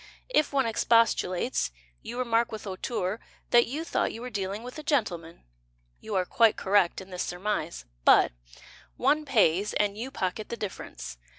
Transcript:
If one expostulates, You remark With hauteur That you thought you were dealing with a gentleman. You are quite correct in this surmise. But One pays, And you pocket the difference.